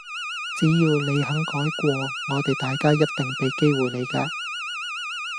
只要你肯改過，我哋大家一定畀機會你㗎